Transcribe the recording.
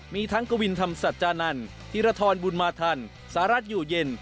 มีทั้งกวินธรรมสัจจานันท์ธิรธรบุญมาธรรมสาราจอยู่เย็น